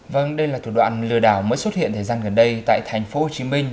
vâng đây là thủ đoạn lừa đảo mới xuất hiện thời gian gần đây tại thành phố hồ chí minh